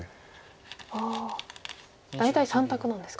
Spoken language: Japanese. ああ大体３択なんですか。